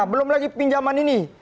belum lagi pinjaman ini